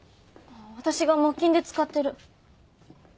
私が木琴で使ってる。